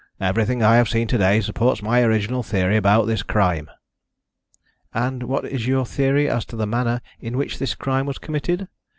Everything I have seen to day supports my original theory about this crime." "And what is your theory as to the manner in which this crime was committed?